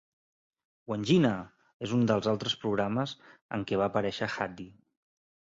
Wandjina! és un dels altres programes en què va aparèixer Haddy.